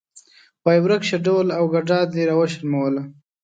وایې ورک شه ډول او ګډا دې راوشرموله.